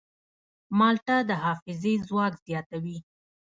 مالټه د حافظې ځواک زیاتوي.